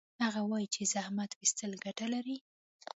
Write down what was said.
هغه وایي چې زحمت ویستل ګټه لري